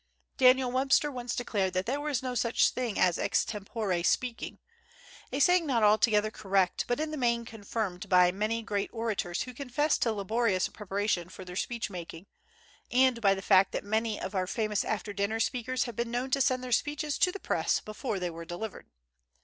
Daniel Webster once declared that there was no such thing as ex tempore speaking, a saying not altogether correct, but in the main confirmed by many great orators who confess to laborious preparation for their speech making, and by the fact that many of our famous after dinner speakers have been known to send their speeches to the Press before they were delivered.